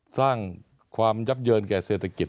สร้างความยับเยินแก่เศรษฐกิจ